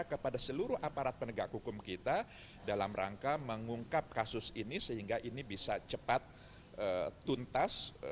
kepada seluruh aparat penegak hukum kita dalam rangka mengungkap kasus ini sehingga ini bisa cepat tuntas